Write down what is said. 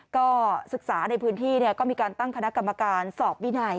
ก็ศึกษาในพื้นที่ก็มีการตั้งคณะกรรมการสอบวินัย